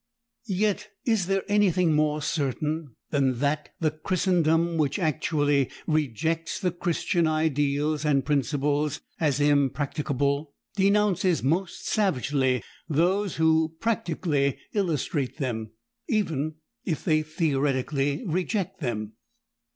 Yet is there anything more certain than that the Christendom which actually rejects the Christian ideals and principles as impracticable, denounces most savagely those who practically illustrate them, even if they theoretically reject them?